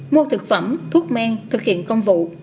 mua thực phẩm thuốc men thực hiện công vụ